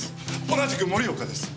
同じく森岡です。